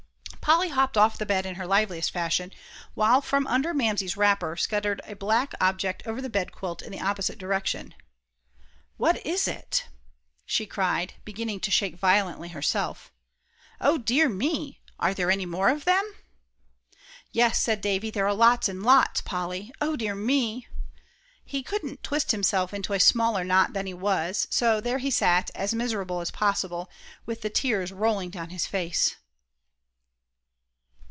Polly hopped off the bed in her liveliest fashion, while from under Mamsie's wrapper scuttled a black object over the bedquilt in the opposite direction. "What is it?" she cried, beginning to shake violently herself; "O dear me! are there any more of them?" "Yes," said Davie, "there are lots and lots, Polly. O dear me!" He couldn't twist himself into a smaller knot than he was, so there he sat, as miserable as possible, with the tears rolling down his face.